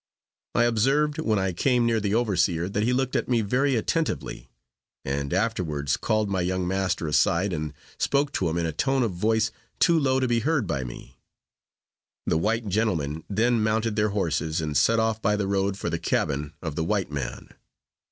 I observed when I came near the overseer, that he looked at me very attentively, and afterwards called my young master aside, and spoke to him in a tone of voice too low to be heard by me. The white gentlemen then mounted their horses, and set off by the road for the cabin of the white man.